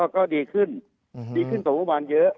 ก็ดีขึ้นดีขึ้นกว่าเมื่อวานเยอะ